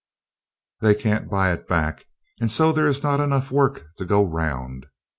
They can't buy it back, and so there is not work enough to go around.